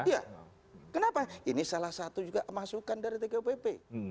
iya kenapa ini salah satu juga masukan dari tgupp